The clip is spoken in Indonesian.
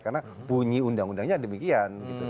karena bunyi undang undangnya demikian